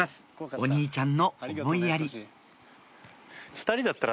お兄ちゃんの思いやり